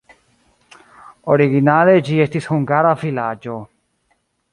Originale ĝi estis hungara vilaĝo.